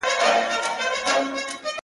امتياز يې د وهلو کُشتن زما دی-